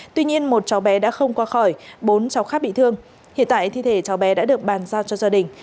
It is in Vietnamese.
tuy nhiên một cháu bé đã không qua khỏi bốn cháu khác bị thương hiện tại thi thể cháu bé đã được bàn giao cho gia đình